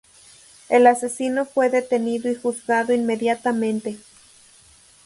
El asesino fue detenido y juzgado inmediatamente.